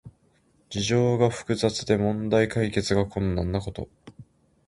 事情が複雑で問題解決が困難なこと。